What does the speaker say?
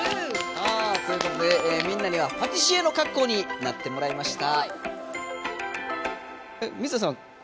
さあということでみんなにはパティシエのかっこうになってもらいました。